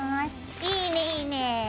いいねいいね！